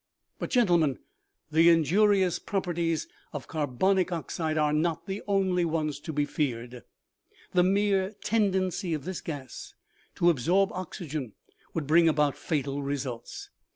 " But, gentlemen, the injurious properties of carbonic oxide are not the only ones to be feared ; the mere ten dency of this gas to absorb oxygen would bring about fatal results.